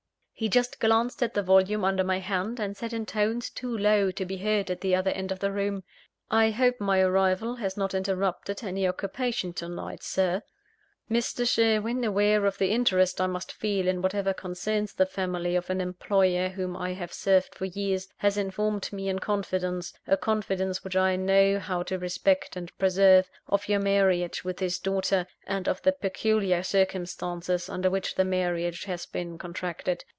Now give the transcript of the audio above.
He just glanced at the volume under my hand, and said in tones too low to be heard at the other end of the room: "I hope my arrival has not interrupted any occupation to night, Sir. Mr. Sherwin, aware of the interest I must feel in whatever concerns the family of an employer whom I have served for years, has informed me in confidence a confidence which I know how to respect and preserve of your marriage with his daughter, and of the peculiar circumstances under which the marriage has been contracted.